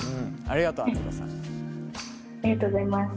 ありがとうございます。